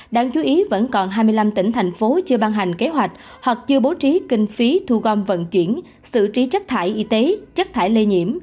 đáng chú ý vẫn còn hai mươi năm tỉnh thành phố chưa ban hành kế hoạch hoặc chưa bố trí kinh phí thu gom vận chuyển xử trí chất thải y tế chất thải lây nhiễm